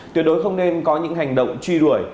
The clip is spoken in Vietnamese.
tuyệt đối không nên có những hành động truy đuổi